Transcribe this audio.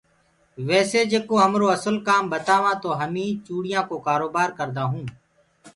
ويسي جيڪو همرو اسل ڪام ٻتاوآنٚ تو همي چوڙيانٚ ڪو ڪآرو بآر ڪردآ هونٚ۔